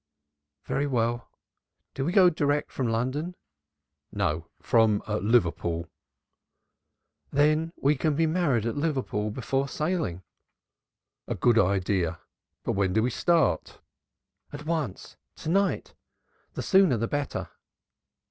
"Very well. Do we go direct from London?" "No, from Liverpool." "Then we can be married at Liverpool before sailing?" "A good idea. But when do we start?" "At once. To night. The sooner the better."